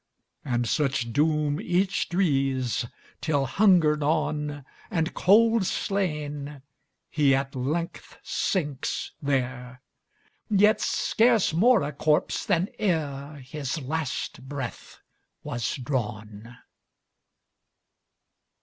And such doom each drees, Till, hunger gnawn, And cold slain, he at length sinks there, Yet scarce more a corpse than ereHis last breath was drawn.